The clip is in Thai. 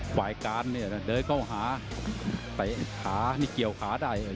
ฝ่ายการเนี่ยเดินเข้าหาเตะขานี่เกี่ยวขาได้